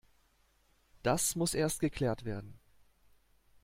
Das muss erst geklärt werden.